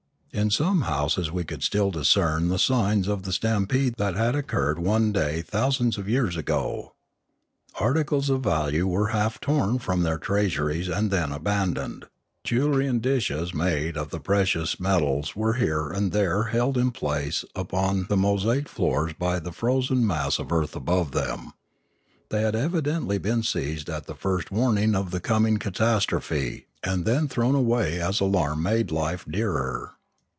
In some houses we could still discern the signs of the stampede that had occurred one day thousands of years ago. Articles of value were half torn from their treasuries and then abandoned; jewellery and dishes made of the precious metals were here and there held A Warning 651 in place upon the mosaicked floors by the frozen mass of earth above them; they had evidently been seized at the first warning of the coming catastrophe and then thrown away as alarm made life dearer.